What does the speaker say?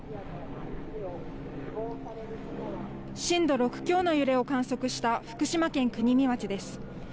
震度６強の揺れを観測した福島県国見町です。